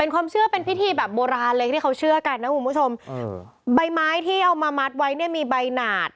ความเชื่อเป็นพิธีแบบโบราณเลยที่เขาเชื่อกันนะคุณผู้ชมใบไม้ที่เอามามัดไว้เนี่ยมีใบหนาด